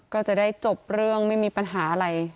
ก็จะได้จบเรื่องไม่มีปัญหาอะไร